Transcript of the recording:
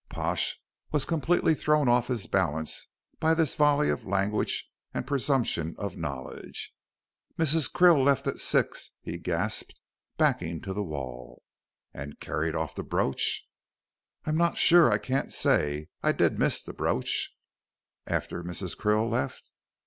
Pash was completely thrown off his balance by this volley of language and presumption of knowledge. "Mrs. Krill left at six," he gasped, backing to the wall. "And carried off the brooch?" "I'm not sure I can't say I did miss the brooch " "After Mrs. Krill left?"